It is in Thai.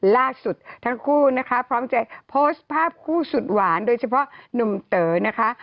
ล่าสุดทั้งคู่นะคะพร้อมจะโพสต์ภาพคู่สุดหวานโดยเฉพาะหนุ่มเต๋อนะคะ